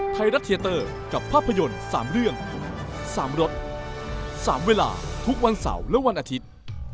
ไทยรัฐเทียเตอร์กับภาพยนตร์๓เรื่อง๓รถ๓เวลาทุกวันเสาร์และวันอาทิตย์